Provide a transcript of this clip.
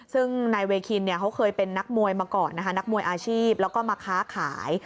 ซึ่งนายเวย์คินเค้าเคยเป็นนักมวยอาชีพแล้วก็มาค้าขาย